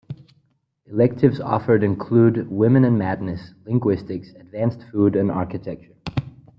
Electives offered include Women and Madness, Linguistics, Advanced Food and Architecture.